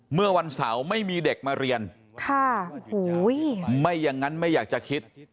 เมื่อวันเสาร์ไม่มีเด็กมาเรียนค่ะโอ้โหไม่อย่างนั้นไม่อยากจะคิด